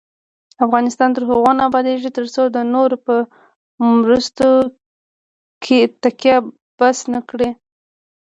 افغانستان تر هغو نه ابادیږي، ترڅو د نورو په مرستو تکیه بس نکړو.